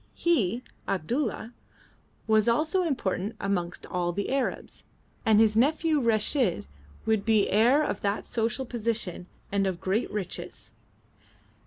He Abdulla was also important amongst all the Arabs, and his nephew Reshid would be heir of that social position and of great riches.